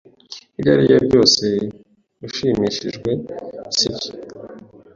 Ibyo aribyo byose ushimishijwe, sibyo?